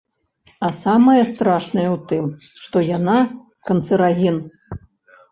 А самае страшнае ў тым, што яна канцэраген.